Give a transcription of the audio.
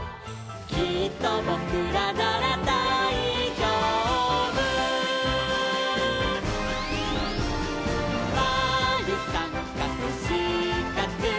「きっとぼくらならだいじょうぶ」「まるさんかくしかく」